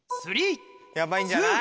ヤバいんじゃない？